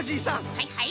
はいはい。